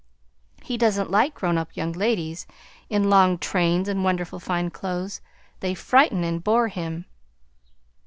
He doesn't like grown up young ladies in long trains and wonderful fine clothes; they frighten and bore him!"